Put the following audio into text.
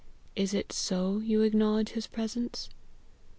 Is it so you acknowledge his presence?"